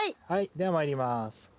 ではまいります。